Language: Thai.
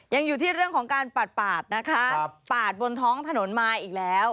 ยังอยู่ที่เรื่องของการปาดปาดนะคะปาดบนท้องถนนมาอีกแล้ว